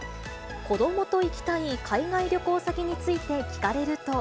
子どもと行きたい海外旅行先について聞かれると。